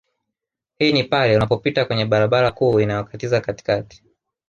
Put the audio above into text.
Hii ni pale unapopita kwenye barabara kuu inayokatiza katikati